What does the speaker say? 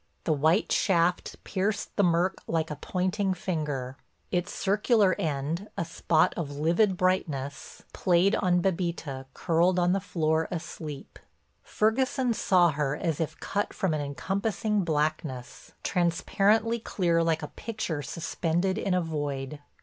The white shaft pierced the murk like a pointing finger. Its circular end, a spot of livid brightness, played on Bébita curled on the floor asleep. Ferguson saw her as if cut from an encompassing blackness, transparently clear like a picture suspended in a void.